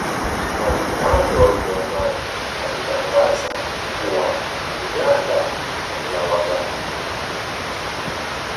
Mwalimu wake wa Ujerumani alitangaza kuwa Uganda ni ya Waganda